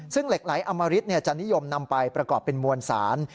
ซึ่งเหล็กไหลอมริตจะนิยมนำไปประกอบเป็นมวลสาร